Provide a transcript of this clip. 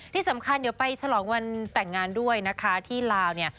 ที่สำคัญเดี๋ยวไปฉลองวันแต่งงานด้วยนะคะที่ลาวเนี่ย